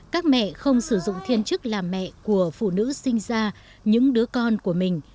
các mẹ không sử dụng thiên chức làm mẹ của phụ nữ sinh ra những đứa con của mình